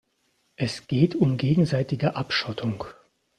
Es geht um gegenseitige Abschottung.